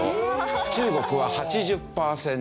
中国は８０パーセント以上。